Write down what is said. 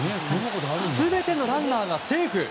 全てのランナーがセーフ。